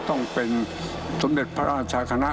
ต้องเป็นสมเด็จพระราชาคณะ